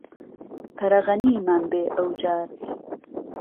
فەرەغهنیمان بێ ئهو جار